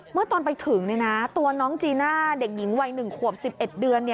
เมื่อตอนไปถึงตัวน้องจีน่าเด็กหญิงวัย๑ขวบ๑๑เดือน